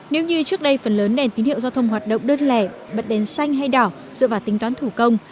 nếu như trước đây phần lớn đèn tín hiệu giao thông hoạt động đơn lẻ bật đèn xanh hay đỏ dựa vào tính toán thủ công